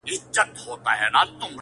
رنګ په وینو د خپل ورور او د تربور دی؛